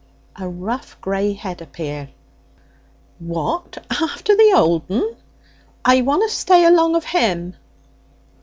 A rough grey head appeared. 'What? after the old 'un?' 'I wunna stay along of him!'